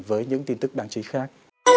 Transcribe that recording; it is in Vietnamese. với những tin tức đáng chí khác